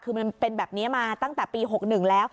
คือมันเป็นแบบนี้มาตั้งแต่ปี๖๑แล้ว